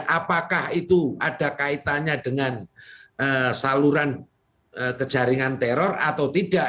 apakah itu ada kaitannya dengan saluran ke jaringan teror atau tidak